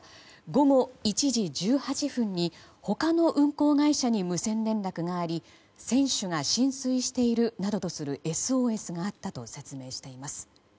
午後１時１８分に他の運航会社に無線連絡があり船首が浸水しているなどとするＳＯＳがあったと説明しています。